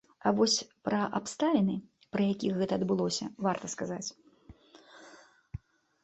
А вось пра абставіны, пры якіх гэта адбылося, варта сказаць.